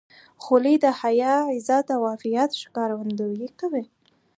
خولۍ د حیا، غیرت او عفت ښکارندویي کوي.